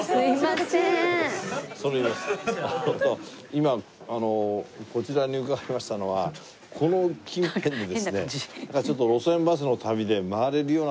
今あのこちらに伺いましたのはこの近辺にですねなんかちょっと『路線バスの旅』で回れるような所。